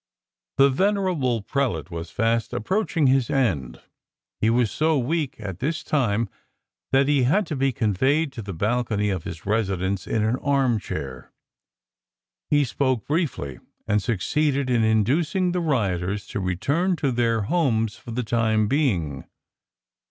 The venerable prelate was fast approaching his end. He was so weak at this time that he had to be conveyed to the balcony of his residence in an arm chair. He spoke briefly, and succeeded in inducing the rioters to return to their homes for the time being.